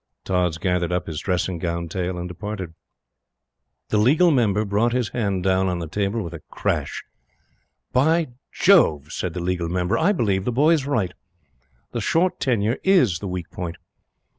Tods gathered up his dressing gown tail and departed. The Legal Member brought his hand down on the table with a crash "By Jove!" said the Legal Member, "I believe the boy is right. The short tenure IS the weak point."